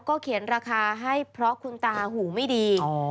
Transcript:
เขียนราคาให้เพราะคุณตาหูไม่ดี